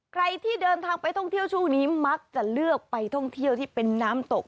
ใครที่เดินทางไปท่องเที่ยวช่วงนี้มักจะเลือกไปท่องเที่ยวที่เป็นน้ำตก